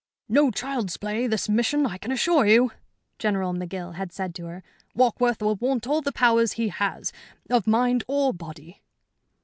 "No child's play, this mission, I can assure you," General McGill had said to her. "Warkworth will want all the powers he has of mind or body."